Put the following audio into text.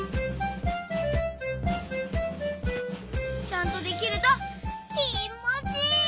ちゃんとできるときもちいい！